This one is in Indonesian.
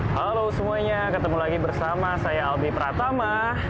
halo semuanya ketemu lagi bersama saya albi pratama